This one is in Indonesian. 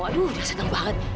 aduh sudah senang banget